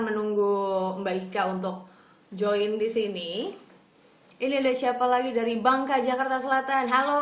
menunggu mbak ika untuk join disini ini ada siapa lagi dari bangka jakarta selatan halo